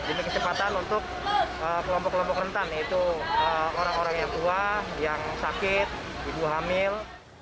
ini kecepatan untuk kelompok kelompok rentan yaitu orang orang yang tua yang sakit ibu hamil